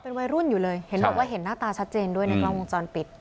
เป็นวัยรุ่นอยู่เลยเห็นบอกว่าเห็นหน้าตาชัดเจนด้วยในกล้องวงจรปิด